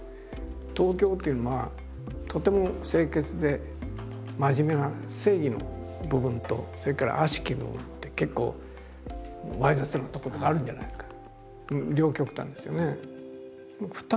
東京っていうのはとても清潔で真面目な正義の部分とそれから悪しき部分って結構猥雑なところがあるじゃないですか。